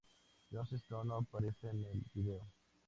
Joss Stone no aparece en el vídeo.